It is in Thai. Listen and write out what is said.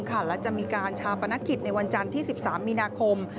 และจะมีการชาปนกิจในวันจันทร์ที่๑๓มีนาคม